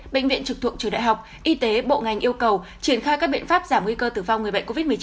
bệnh viện trực thuộc trường đại học y tế bộ ngành yêu cầu triển khai các biện pháp giảm nguy cơ tử vong người bệnh covid một mươi chín